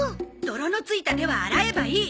泥のついた手は洗えばいい。